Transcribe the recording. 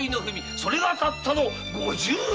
それがたったの五十文！